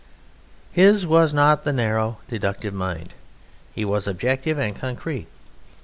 His was not the narrow, deductive mind. He was objective and concrete.